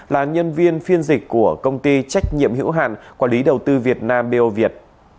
là nhân viên phiên dịch của công ty trách nhiệm hữu hạn quản lý đầu tư việt nam bio việt